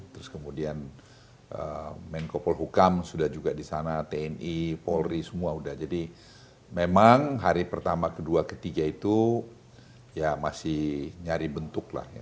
terus kemudian menko polhukam sudah juga di sana tni polri semua sudah jadi memang hari pertama kedua ketiga itu ya masih nyari bentuk lah